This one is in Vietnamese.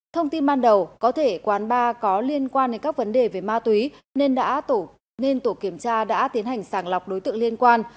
thông tin ban đầu có thể quán bar có liên quan đến các vấn đề về ma túy nên tổ kiểm tra đã tiến hành sàng lọc đối tượng liên quan